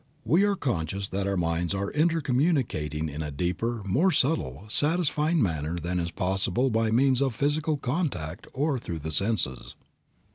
We are conscious that our minds are intercommunicating in a deeper, more subtle, satisfying manner than is possible by means of physical contact or through the senses.